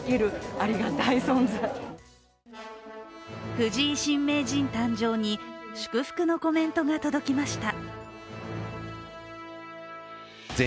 藤井新名人誕生に祝福のコメントが届きました。